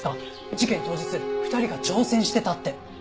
事件当日２人が乗船してたって。